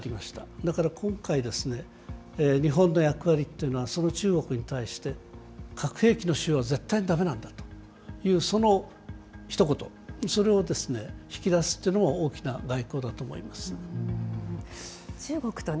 だから今回、日本の役割っていうのは、その中国に対して、核兵器の使用は絶対にだめなんだというそのひと言、それを引き出すっていうのも大きな外交だと思いますね。